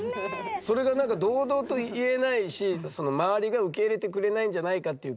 それがなんか堂々と言えないし周りが受け入れてくれないんじゃないかっていう空気。